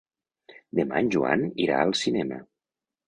Demà en Joan irà al cinema.